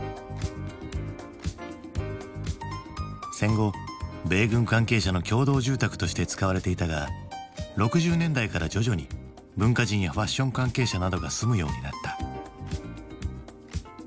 戦後米軍関係者の共同住宅として使われていたが６０年代から徐々に文化人やファッション関係者などが住むようになった。